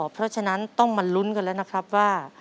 เพราะฉะนั้นต้องมาลุ้นกันแล้วนะครับว่า